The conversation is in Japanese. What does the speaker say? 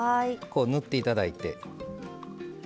こう塗って頂いて。